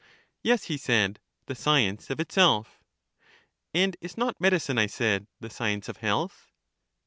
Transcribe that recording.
Yes, he said ; the science of itself. And is not medicine, I said, the science of health?